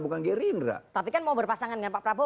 bukan gerindra tapi kan mau berpasangan dengan pak prabowo